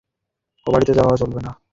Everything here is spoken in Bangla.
ও বাড়িতে তোর যাওয়া চলবে না।